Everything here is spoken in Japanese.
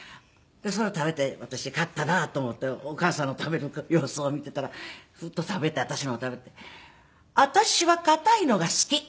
それを食べて私勝ったなと思ってお義母さんの食べる様子を見ていたらフッと食べて私のを食べて「私は硬いのが好き」って言ったんですよ。